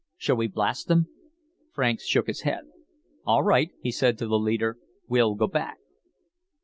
"Shall we blast them?" Franks shook his head. "All right," he said to the leader. "We'll go back."